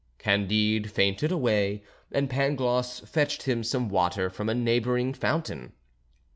Candide fainted away, and Pangloss fetched him some water from a neighbouring fountain.